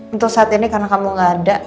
untuk saat ini karena kamu gak ada